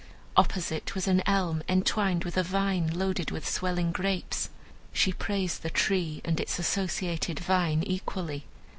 Opposite was an elm entwined with a vine loaded with swelling grapes. She praised the tree and its associated vine, equally.